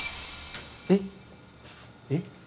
えっ？えっ？